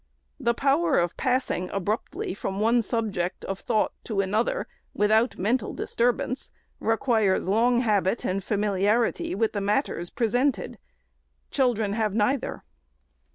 The power of passing abruptly from one subject of thought to an other, without mental disturbance, requires long 'habit and familiarity with the matters presented. Children can have neither.